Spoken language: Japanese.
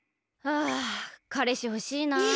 あかれしほしいなあ。